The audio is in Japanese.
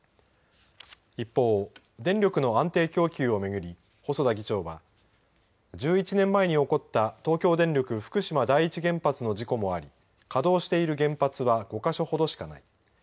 一方、電力の安定供給を巡り細田議長は１１年前に起こった東京電力福島第一原発の事故もあり稼働している原発は５か所ほどしかない。